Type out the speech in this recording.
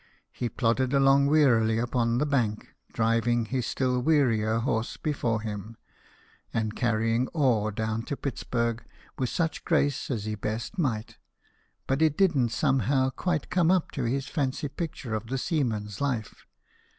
He plodded along wearily upon the bank, driving his still wearier horse before him, and carrying ore down to Pittsburg with such grace as he best might ; but it didn't somehow quite come up to his fancy picture of the seaman's life.